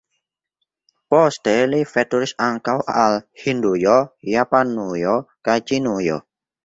Poste li veturis ankaŭ al Hindujo, Japanujo kaj Ĉinujo.